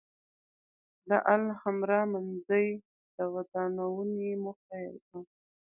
د الحمرأ منځۍ د ودانونې موخه یې وه.